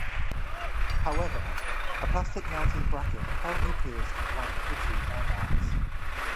However, a plastic mounting bracket apparently pierced one of the two air bags.